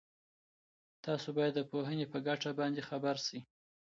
تاسو باید د پوهني په ګټه باندي خبر سئ.